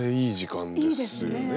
あれいい時間ですよね。